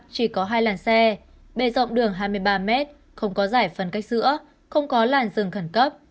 chỉ có hai làn xe bề rộng đường hai mươi ba m không có giải phân cách giữa không có làn rừng khẩn cấp